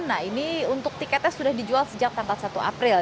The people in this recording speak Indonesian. nah ini untuk tiketnya sudah dijual sejak tanggal satu april